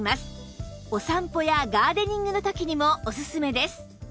お散歩やガーデニングの時にもオススメです